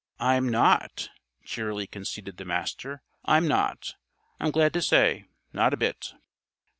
"I'm not," cheerily conceded the Master. "I'm not, I'm glad to say. Not a bit."